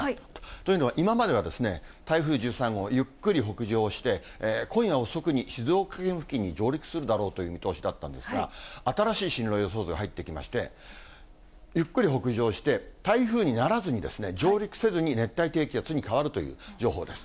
というのは、今までは台風１３号、ゆっくり北上して、今夜遅くに静岡県付近に上陸するだろうという見通しだったんですが、新しい進路予想図が入ってきまして、ゆっくり北上して、台風にならずに、上陸せずに、熱帯低気圧に変わるという情報です。